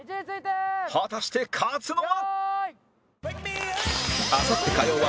果たして勝つのは？